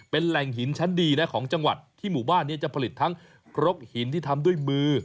เป็นแหล่งหินชั้นดีนะของจังหวัดที่หมู่บ้านนี้จะผลิตทั้งครกหินที่ทำด้วยมือ